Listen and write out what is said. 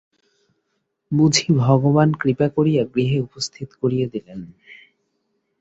বুঝি ভগবান কৃপা করিয়া গৃহে উপস্থিত করিয়া দিলেন।